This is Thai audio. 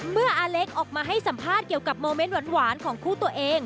อาเล็กออกมาให้สัมภาษณ์เกี่ยวกับโมเมนต์หวานของคู่ตัวเอง